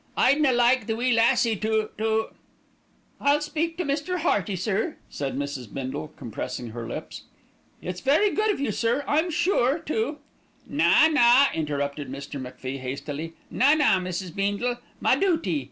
"I'd na like the wee lassie to to " "I'll speak to Mr. Hearty, sir," said Mrs. Bindle, compressing her lips. "It's very good of you, sir, I'm sure, to " "Na, na," interrupted Mr. MacFie hastily, "na, na, Mrs. Beendle, ma duty.